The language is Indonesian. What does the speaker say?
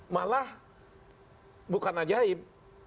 malah bukan ajaib